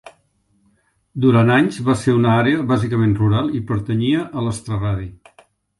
Durant anys va ser una àrea bàsicament rural i pertanyia a l'extraradi.